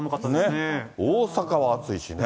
大阪は暑いしね。